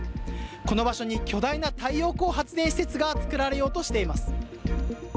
この場所に巨大な太陽光発電施設が造られようとしています。